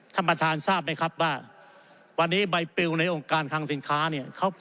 ท่านประธานทราบไหมครับว่าวันนี้ใบปิวในองค์การคังสินค้าเนี่ย